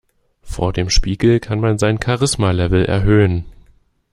Vor dem Spiegel kann man sein Charisma-Level erhöhen.